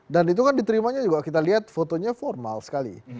dan itu kan diterimanya juga kita lihat fotonya formal sekali